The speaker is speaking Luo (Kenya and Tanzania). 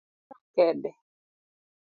Oluoro kede